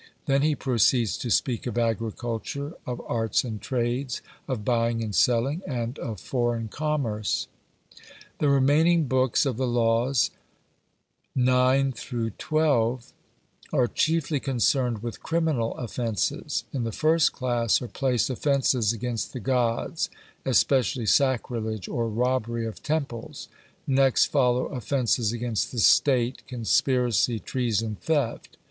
Then he proceeds to speak of agriculture, of arts and trades, of buying and selling, and of foreign commerce. The remaining books of the Laws, ix xii, are chiefly concerned with criminal offences. In the first class are placed offences against the Gods, especially sacrilege or robbery of temples: next follow offences against the state, conspiracy, treason, theft.